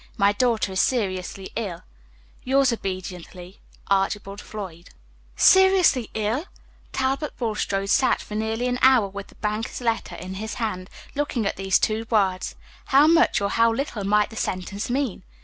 My daughter is seriously ill. "Yours obediently, "ARCHIBALD FLOYD." "Seriously ill!" Talbot Bulstrode sat for nearly an hour with the banker's letter in his hand, looking at these two words. How much or how little might the sentence mean?